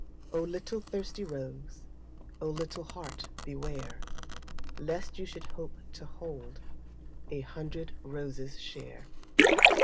O little thirsty rose, O little heart beware, Lest you should hope to hold A hundred roses' share.